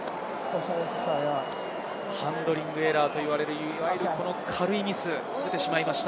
ハンドリングエラーと言われる軽いミスが出てしまいました。